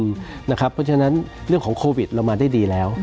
เพราะฉะนั้นเรื่องของโควิดเรามาได้ดีแล้ว